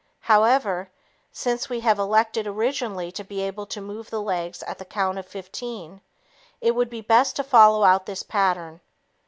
However, since we have elected originally to be able to move the legs at the count of 15, it would be best to follow out this pattern.